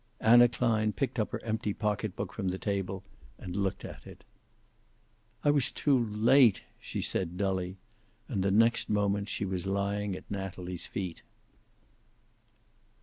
Anna Klein picked up her empty pocket book from the table and looked at it. "I was too late," she said dully, and the next moment she was lying at Natalie's feet.